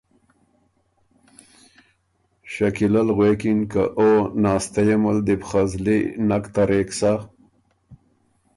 شکیلۀ ل غوېکِن که او ناستئ یه مل دی بو خه زلی نک ترېک سۀ۔